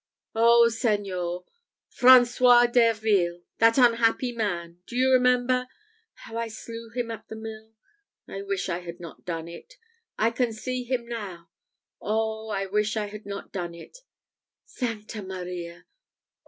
Oh, señor François Derville! that unhappy man do you remember how I slew him at the mill! I wish I had not done it I can see him now! Oh, I wish I had not done it Sancta Maria!